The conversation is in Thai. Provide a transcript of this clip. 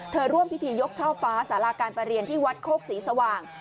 ร่วมพิธียกช่อฟ้าสาราการประเรียนที่วัดโคกสีสว่าง